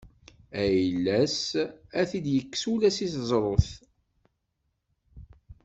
Ayla-s ad t-id-yekkes ula seg teẓrut.